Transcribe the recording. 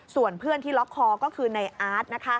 ส่วนเพื่อนที่ล็อกคอก็คือในอาร์ต